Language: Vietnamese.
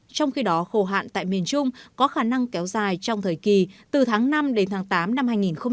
trong khi đó khô hạn tại miền trung có khả năng kéo dài trong thời kỳ từ tháng năm đến tháng tám năm hai nghìn hai mươi